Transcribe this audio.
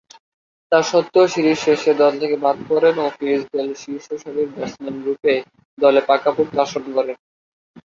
তাস্বত্ত্বেও series শেষে দল থেকে বাদ পড়েন ও ক্রিস গেইল শীর্ষসারির ব্যাটসম্যানরূপে দলে পাকাপোক্ত আসন গড়েন।